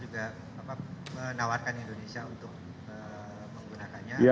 juga menawarkan indonesia untuk menggunakannya